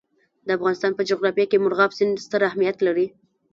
د افغانستان په جغرافیه کې مورغاب سیند ستر اهمیت لري.